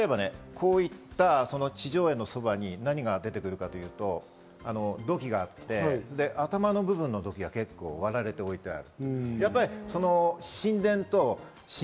例えば、こういった地上絵の側に何が出てくるかというと、土器があって、頭の部分の土器が結構並べて置いてある。